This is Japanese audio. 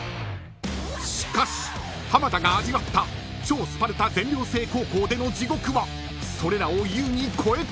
［しかし浜田が味わった超スパルタ全寮制高校での地獄はそれらを優に超えていた］